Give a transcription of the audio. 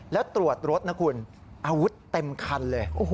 แล้วตรวจรถนะคุณอาวุธเต็มคันเลย